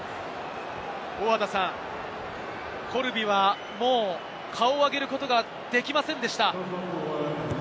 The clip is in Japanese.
コルビは、もう顔を上げることができませんでした。